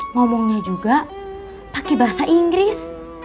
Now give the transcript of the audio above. ngomongnya juga pakai bahasa inggris